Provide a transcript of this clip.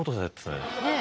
ねえ。